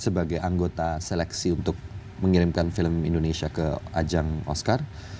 sebagai anggota seleksi untuk mengirimkan film indonesia ke ajang oscar